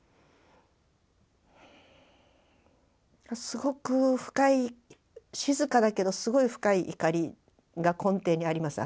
すごく深い静かだけどすごい深い怒りが根底にあります